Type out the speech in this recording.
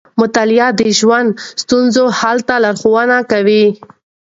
مطالعه د ژوند د ستونزو حل ته لارښونه کوي.